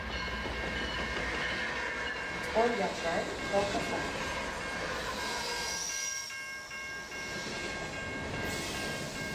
Olla gran, poca carn.